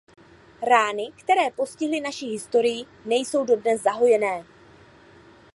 Rány, které postihly naši historii, nejsou dodnes zahojené.